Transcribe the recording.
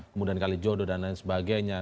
kemudian kalijodo dan lain sebagainya